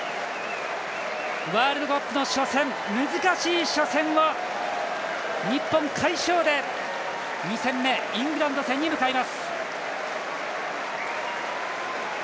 ワールドカップの初戦難しい初戦を日本、快勝で２戦目イングランド戦に向かいます。